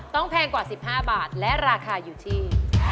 แพงกว่า๑๕บาทและราคาอยู่ที่